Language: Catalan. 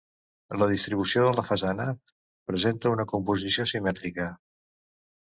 La distribució de la façana presenta una composició simètrica.